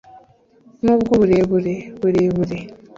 nubwo uburebure burebure.